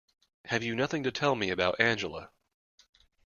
Have you nothing to tell me about Angela?